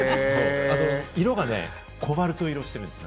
色がね、コバルト色してるんです。